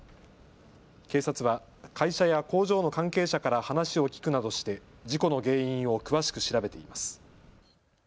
警察は会社や工場の関係者から話を聞くなどして事故の原因を詳しく調べています。